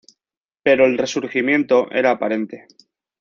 Pero el resurgimiento era aparente.